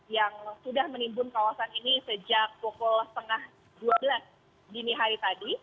yang sudah menimbun kawasan ini sejak pukul dua belas tiga puluh dini hari tadi